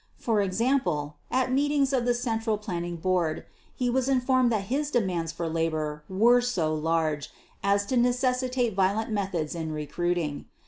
For example, at meetings of the Central Planning Board he was informed that his demands for labor were so large as to necessitate violent methods in recruiting.